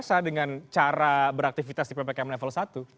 biasa dengan cara beraktivitas di ppkm level satu